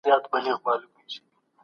حکومت صادراتي توکي نه منع کوي.